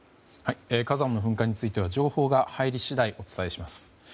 火山の噴火については情報が入り次第お伝えします。